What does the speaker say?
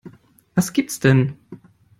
Was gibt's denn?